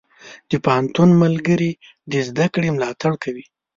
د پوهنتون ملګري د زده کړې ملاتړ کوي.